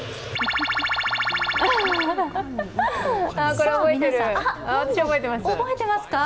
これ、私、覚えてます。